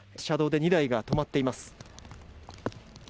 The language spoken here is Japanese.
車道で２台が止まっています。